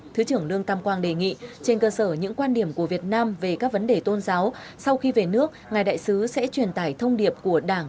thứ trưởng lương tam quang đề nghị trên cơ sở những quan điểm của việt nam về các vấn đề tôn giáo sau khi về nước ngài đại sứ sẽ truyền tải thông điệp của đảng